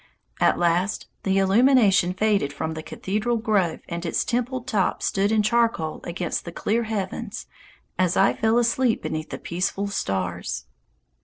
At last the illumination faded from the cathedral grove and its templed top stood in charcoal against the clear heavens as I fell asleep beneath the peaceful stars.